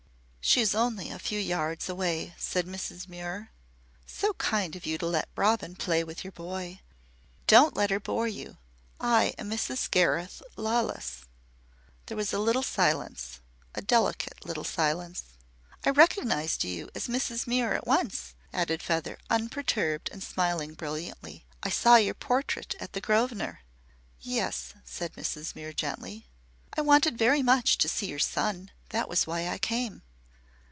"She is only a few yards away," said Mrs. Muir. "So kind of you to let Robin play with your boy. Don't let her bore you. I am Mrs. Gareth Lawless." There was a little silence, a delicate little silence. "I recognized you as Mrs. Muir at once," added Feather, unperturbed and smiling brilliantly. "I saw your portrait at the Grovenor." "Yes," said Mrs. Muir, gently. "I wanted very much to see your son; that was why I came."